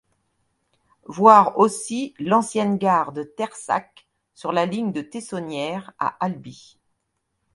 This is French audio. Voir aussi l'ancienne gare de Terssac sur la ligne de Tessonnières à Albi.